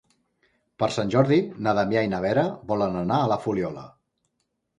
Per Sant Jordi na Damià i na Vera volen anar a la Fuliola.